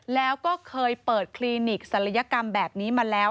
แล้วก็เคยเปิดคลินิกศัลยกรรมแบบนี้มาแล้ว